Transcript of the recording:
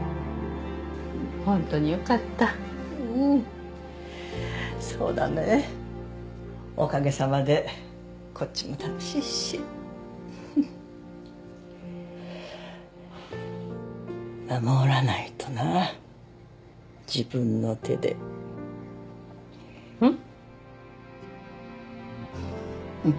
本当によかったうんそうだねおかげさまでこっちも楽しいしふふっ守らないとな自分の手でん？